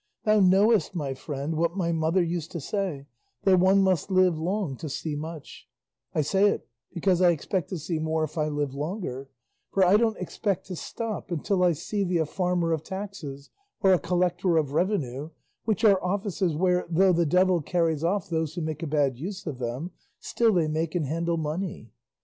Thou knowest, my friend, what my mother used to say, that one must live long to see much; I say it because I expect to see more if I live longer; for I don't expect to stop until I see thee a farmer of taxes or a collector of revenue, which are offices where, though the devil carries off those who make a bad use of them, still they make and handle money.